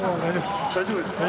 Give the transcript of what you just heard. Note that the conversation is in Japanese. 大丈夫ですか？